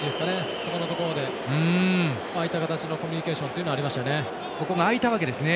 そこのところでああいった形のコミュニケーションっていうのがあいたわけですね。